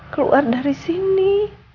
keluar dari sini